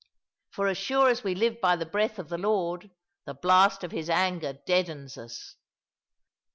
For as sure as we live by the breath of the Lord, the blast of His anger deadens us.